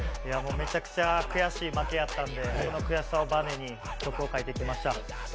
めちゃくちゃ悔しい負けやったんで、その悔しさをバネに曲を書いてきました。